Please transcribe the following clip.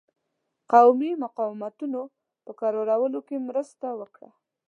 قومي مقاومتونو په کرارولو کې مرسته وکړه.